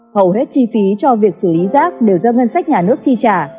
hầu hết chi phí cho việc xử lý rác đều do ngân sách nhà nước chi trả